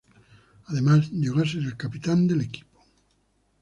Además, llegó a ser el capitán del equipo.